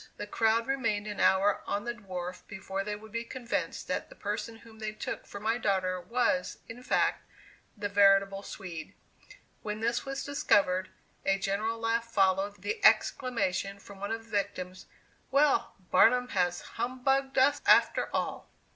The crowd remained an hour on the wharf before they would be convinced that the person whom they took for my daughter was in fact the veritable Swede. When this was discovered, a general laugh followed the exclamation from one of the victims, "Well, Barnum has humbugged us after all!"